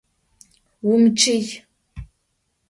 Vumıççıy!